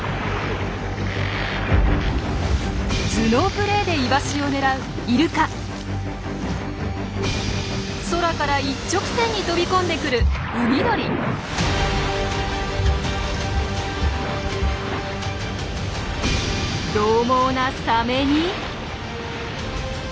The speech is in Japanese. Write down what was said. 頭脳プレーでイワシを狙う空から一直線に飛び込んでくるどう猛なサメに。